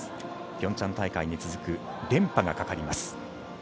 ピョンチャン大会に続く連覇がかかります。